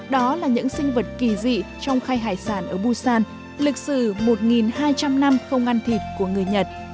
đó là những sinh vật kỳ dị trong khai hải sản ở busan lịch sử một hai trăm linh năm không ăn thịt của người nhật